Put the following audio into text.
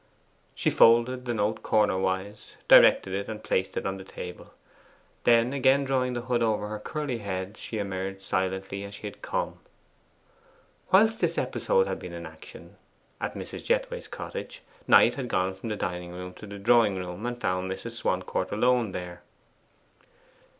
She folded the note cornerwise, directed it, and placed it on the table. Then again drawing the hood over her curly head she emerged silently as she had come. Whilst this episode had been in action at Mrs. Jethway's cottage, Knight had gone from the dining room into the drawing room, and found Mrs. Swancourt there alone.